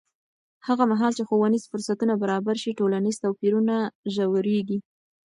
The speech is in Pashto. هغه مهال چې ښوونیز فرصتونه برابر شي، ټولنیز توپیر نه ژورېږي.